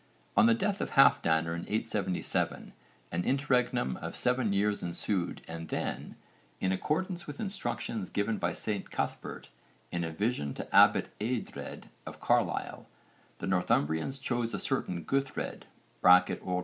On the death of Halfdanr in 877 an interregnum of seven years ensued and then, in accordance with instructions given by St Cuthbert in a vision to abbot Eadred of Carlisle, the Northumbrians chose a certain Guthred (O.N.